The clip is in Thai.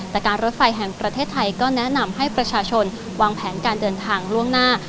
แต่การรถไฟแห่งประเทศไทยก็แนะนำให้ประชาชนวางแผนการเดินทางล่วงหน้า